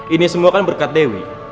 ini semua kan berkat dewi